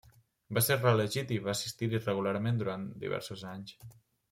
Va ser reelegit i va assistir-hi regularment durant diversos anys.